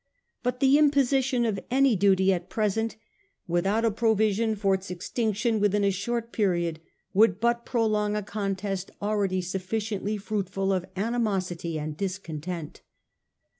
But the imposition of any duty at present, without a 1841 6 . THE RUSSELL LETTER, 365 provision for its extinction within a short period, would hut prolong a contest already sufficiently fruit ful of animosity and discontent.